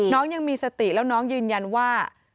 ยังมีสติแล้วน้องยืนยันว่า